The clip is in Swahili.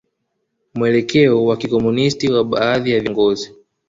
Mwelekeo wa kikomunisti wa baadhi ya viongozi